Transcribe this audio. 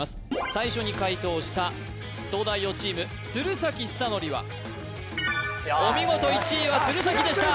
最初に解答した東大王チーム鶴崎修功はお見事１位は鶴崎でした